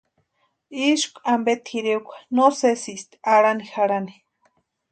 Ísku ampe tʼirekwa no sésïsti arhani jarhani.